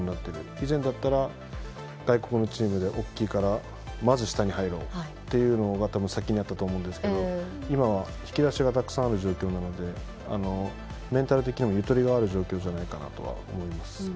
以前だったら外国のチームで大きいからまず下に入ろうというのが先にあったと思いますが今は引き出しがたくさんある状況でメンタル的にもゆとりがある状況じゃないかなとは思います。